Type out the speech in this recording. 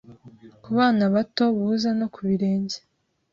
Ku bana bato buza no ku birenge.